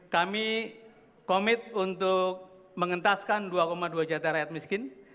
kami komit untuk mengentaskan dua dua juta rakyat miskin